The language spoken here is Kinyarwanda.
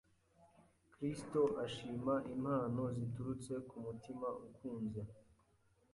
Kristo ashima impano ziturutse ku mutima ukunze.